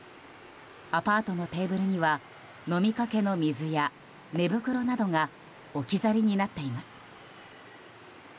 アパートのテーブルには飲みかけの水や寝袋などが置き去りになっています。